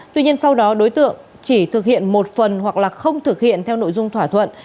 tuy nhiên sau đó đối tượng chỉ thực hiện một phần hoặc là không thực hiện theo nội dung thỏa thuận